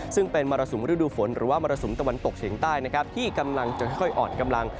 ซึ่งเป็นมรสุมฤดูฝนหรือว่ามรสุมตะวันตกเฉียงใต้นะครับที่กำลังจะค่อยอ่อนกำลัง